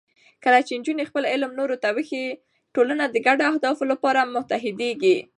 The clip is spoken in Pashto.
کله چې نجونې خپل علم نورو ته وښيي، ټولنه د ګډو اهدافو لپاره متحدېږي.